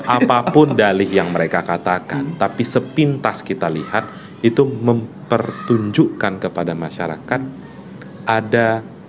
apapun dalih yang mereka katakan tapi sepintas kita lihat itu mempertunjukkan kepada masyarakat ada